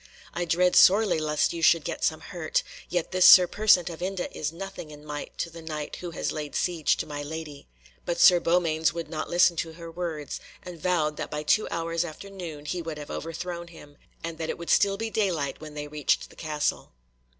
I dread sorely lest you should get some hurt; yet this Sir Persant of Inde is nothing in might to the Knight who has laid siege to my lady." But Sir Beaumains would not listen to her words, and vowed that by two hours after noon he would have overthrown him, and that it would still be daylight when they reached the castle.